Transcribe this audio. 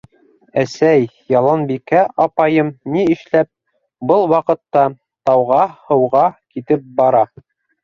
Әсәй, Яланбикә апайым ни эшләп был ваҡытта тауға һыуға китеп бара?